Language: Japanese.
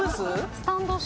スタンド式。